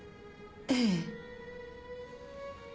ええ。